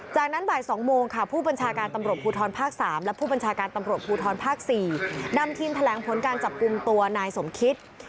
จากนั้นบ่าย๒โมงค่ะผู้บัญชาการตำรวจภูทรภาค๓และผู้บัญชาการตำรวจภูทรภาค๔นำทีมแถลงผลการจับกลุ่มตัวนายสมคิต